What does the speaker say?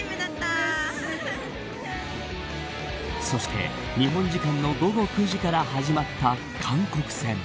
そして日本時間の午後９時から始まった韓国戦。